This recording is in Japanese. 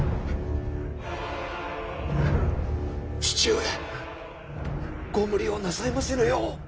父上ご無理をなさいませぬよう。